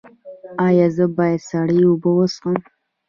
ایا زه باید سړې اوبه وڅښم؟